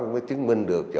mới chứng minh được